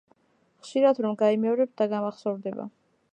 ხშირად რომ გაიმეორებ დაგამახსოვრდება